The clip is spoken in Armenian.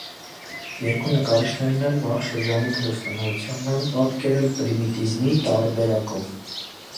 Երկու նկարիչներն էլ վաղ շրջանի քրիստոնեություն են պատկերել՝ պրիմիտիվիզմի տարրերով։